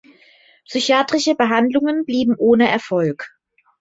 Psychiatrische Behandlungen blieben ohne Erfolg.